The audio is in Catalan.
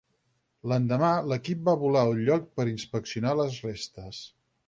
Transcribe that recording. L'endemà l'equip va volar al lloc per inspeccionar les restes.